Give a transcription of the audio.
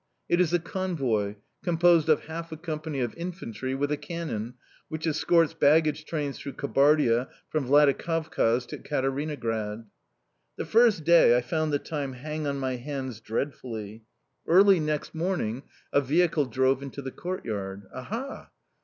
It is a convoy composed of half a company of infantry, with a cannon which escorts baggage trains through Kabardia from Vladikavkaz to Ekaterinograd. The first day I found the time hang on my hands dreadfully. Early next morning a vehicle drove into the courtyard... Aha!